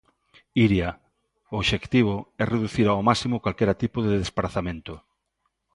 Iria, o obxectivo é reducir ao máximo calquera tipo de desprazamento.